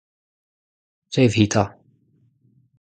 Klev-hi 'ta !